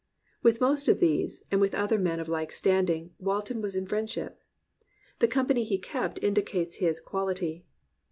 With most of these, and with other men of like standing, Walton was in friendship. The com pany he kept indicates his quality.